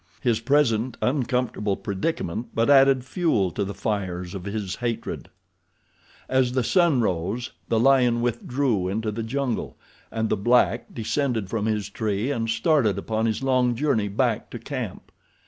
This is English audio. His present uncomfortable predicament but added fuel to the fires of his hatred. As the sun rose the lion withdrew into the jungle and the black descended from his tree and started upon his long journey back to camp.